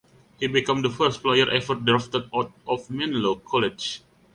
He became the first player ever drafted out of Menlo College.